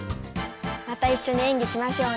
またいっしょに演技しましょうね。